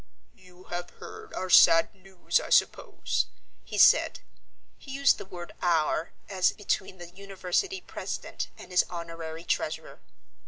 "You have heard our sad news, I suppose?" he said. He used the word "our" as between the university president and his honorary treasurer.